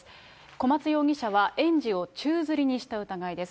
小松容疑者は園児を宙づりにした疑いです。